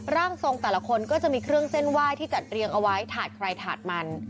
ร่างทรงแต่ละคนก็จะมีเครื่องเส้นไหว้ที่จัดเรียงเอาไว้ถาดใครถาดมัน